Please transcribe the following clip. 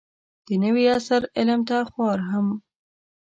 د نوي عصر علم ته خوار هم